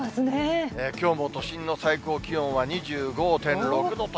きょうも都心の最高気温は高い。